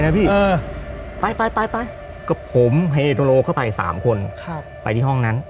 นะพี่เออไปไปไปไปกับผมเข้าไปสามคนครับไปที่ห้องนั้น